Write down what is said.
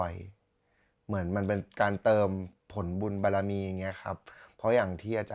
ยังไม่ทันทุกคนในสัพพาลมุทธิวัฒน์